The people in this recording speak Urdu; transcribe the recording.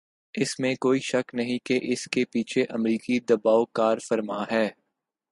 اس میں کوئی شک نہیں کہ اس کے پیچھے امریکی دبائو کارفرما ہے۔